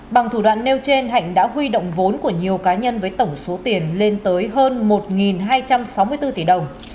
bằng thủ đoạn nêu trên hạnh đã huy động vốn của nhiều cá nhân với tổng số tiền lên tới hơn một hai trăm sáu mươi bốn tỷ đồng